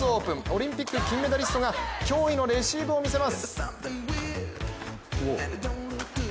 オリンピック金メダリストが驚異のレシーブを見せます。